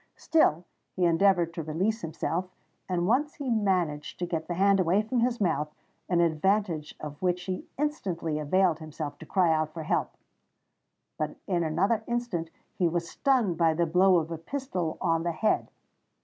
Still he endeavoured to release himself: and once he managed to get the hand away from his mouth, an advantage of which he instantly availed himself to cry out for help. But in another instant he was stunned by the blow of a pistol on the head.